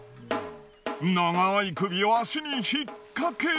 長い首を足に引っ掛け。